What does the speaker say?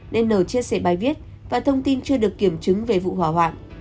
nên n chia sẻ bài viết và thông tin chưa được kiểm chứng về vụ hỏa hoạn